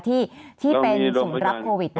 ที่เป็นสิ่งรับโควิด